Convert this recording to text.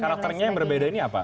karakternya yang berbeda ini apa